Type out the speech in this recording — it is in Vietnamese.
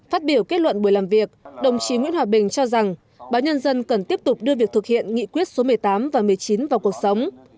phát biểu kết luận buổi làm việc đồng chí nguyễn hòa bình cho rằng báo nhân dân cần tiếp tục đưa việc thực hiện nghị quyết số một mươi tám và một mươi chín vào cuộc sống